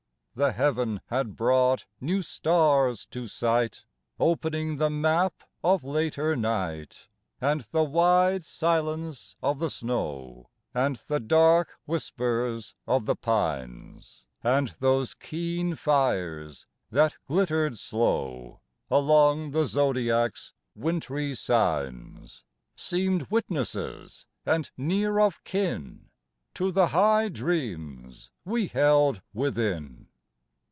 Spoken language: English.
The heaven had brought new stars to sight, Opening the map of later night; And the wide silence of the snow, And the dark whispers of the pines, And those keen fires that glittered slow Along the zodiac's wintry signs, Seemed witnesses and near of kin To the high dreams we held within.